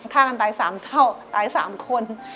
ฆ่ากันตาย๓เศร้าตาย๓คน